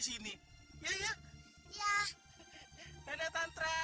karena aku tidak punya teman di desa